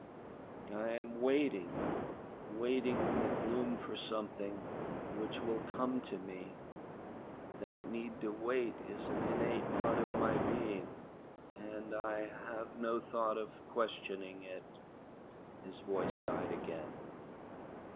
"I am waiting, waiting in the gloom for something which will come to me. That need to wait is an innate part of my being and I have no thought of questioning it." His voice died again.